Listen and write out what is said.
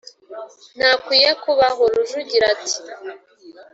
ntakwiye kubaho." rujugira ati: